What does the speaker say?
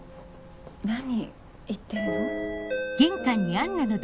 何言ってるの？